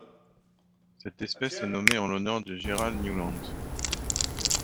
Cette espèce est nommée en l'honneur de Gerald Newlands.